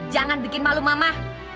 jangan bikin malu mama